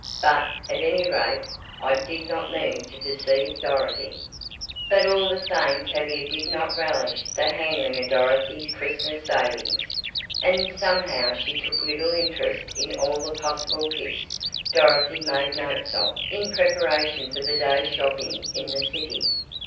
But, at any rate, I did not mean to deceive Dorothy." But all the same Tavia did not relish the handling of Dorothy's Christmas savings, and somehow she took little interest in all the possible gifts Dorothy made notes of, in preparation for the day's shopping in the city.